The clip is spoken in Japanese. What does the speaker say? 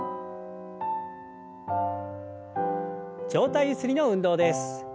上体ゆすりの運動です。